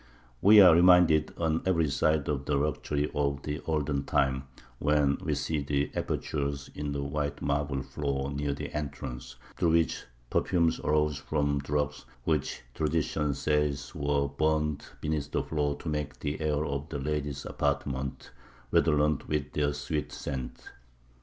We are reminded on every side of the luxury of the olden time, when we see the apertures in the white marble floor near the entrance, through which perfumes arose from drugs, which tradition says were burned beneath the floor to make the air of the lady's apartment redolent with their sweet scents.